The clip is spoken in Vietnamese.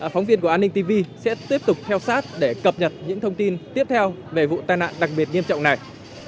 phóng viên của an ninh tv sẽ tiếp tục theo sát để cập nhật những thông tin tiếp theo về vụ tai nạn đặc biệt nghiêm trọng này